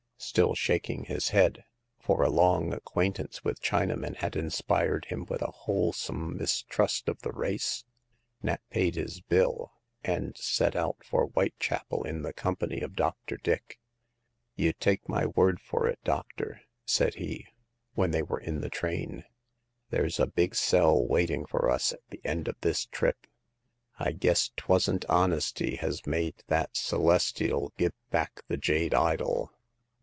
Still shaking his head, for a long acquaintance with Chinamen had inspired him with a whole some mistrust of the race, Nat paid his bill, and set out for Whitechapel in the compan)'' of Dr. Dick. You take my word for it, doctor," said he, when they were in the train, there's a big sell waiting for us at the end of this trip. I guess 'twasn't honesty has made that Celestial give back the jade idol."